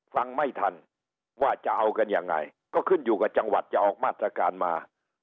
ฟังไม่ทันว่าจะเอากันยังไงก็ขึ้นอยู่กับจังหวัดจะออกมาตรการมา